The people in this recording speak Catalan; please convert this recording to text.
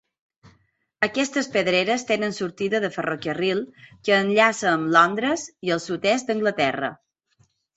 Aquestes pedreres tenen sortida de ferrocarril que enllaça amb Londres i el sud-est d'Anglaterra.